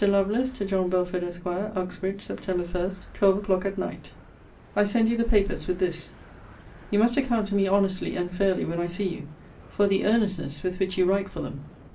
LOVELACE, TO JOHN BELFORD, ESQ. UXBRIDGE, SEPT. 1, TWELVE O'CLOCK AT NIGHT. I send you the papers with this. You must account to me honestly and fairly, when I see you, for the earnestness with which you write for them.